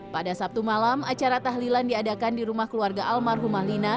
pada sabtu malam acara tahlilan diadakan di rumah keluarga almarhumah lina